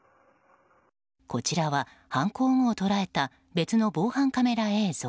こちらは、犯行後を捉えた別の防犯カメラ映像。